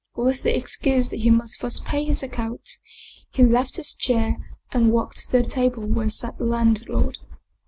With the excuse that he must first pay his account, he left his chair and walked to the table where sat the land lord.